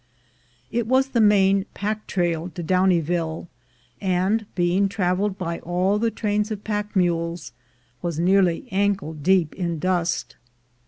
It was the main "pack trail" to Downie ville, and, being traveled by all the trains of pack mules, was nearly ankle deep in dust.